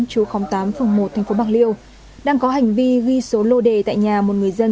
một nghìn chín trăm bảy mươi tám chú tám phường một thành phố bạc liêu đang có hành vi ghi số lô đề tại nhà một người dân